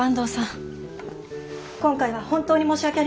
今回は本当に申し訳ありませんでした。